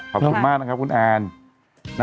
ขอบคุณมากนะครับคุณแอน